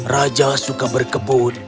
raja suka berkebun